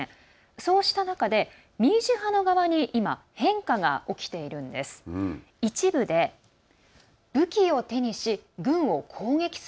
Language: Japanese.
そうした中で、民主派の側に今、変化が起きているんです。